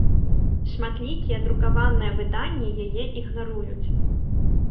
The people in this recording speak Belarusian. Шматлікія друкаваныя выданні яе ігнаруюць.